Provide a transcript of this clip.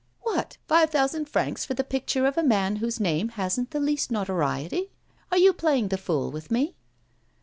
'"What, five thousand francs for the picture of a man whose name hasn't the least notoriety? Are you playing the fool with me?"